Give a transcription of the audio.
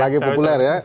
lagi populer ya